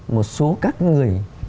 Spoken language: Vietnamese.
một số các người